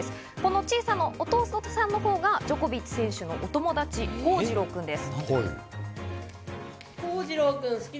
この小さな弟さんのほうがジョコビッチ選手のお友達、康次郎君です。